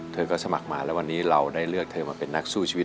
เธอก็สมัครมาแล้ววันนี้เราได้เลือกเธอมาเป็นนักสู้ชีวิต